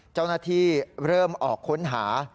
เจ้าหน้าที่เริ่มออกค้นหา